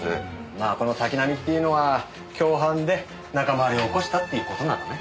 まあこの滝浪っていうのは共犯で仲間割れを起こしたっていう事ならね。